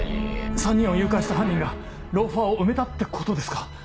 ３人を誘拐した犯人がローファーを埋めたってことですか⁉